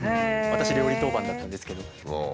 私料理当番だったんですけど。